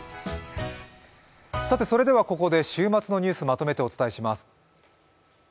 ここで週末のニュース、まとめてお伝えします。